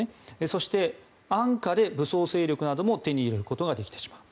そして、安価に武装勢力なども手に入れることができてしまう。